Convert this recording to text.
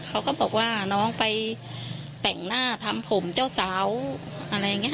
เขาก็บอกว่าน้องไปแต่งหน้าทำผมเจ้าสาวอะไรอย่างนี้ค่ะ